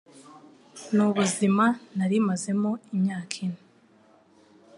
Ni ubuzima nari mazemo imyaka ine